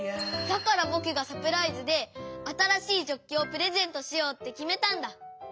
だからぼくがサプライズであたらしいジョッキをプレゼントしようってきめたんだ！